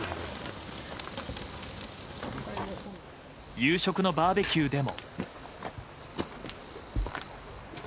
夕食のバーベキューでも。